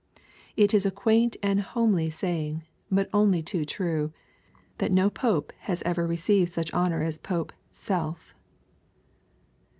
It is a quaint and homely saying, but only too true, that no pope has ever received such honor as pope " self."